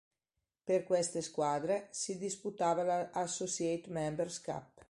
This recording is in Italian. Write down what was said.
Per queste squadre si disputava la Associate Members Cup.